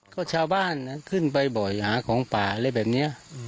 ก็ชาวบ้านนะขึ้นไปบ่อยหาของป่าอะไรแบบนี้